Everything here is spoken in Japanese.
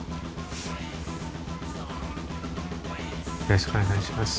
よろしくお願いします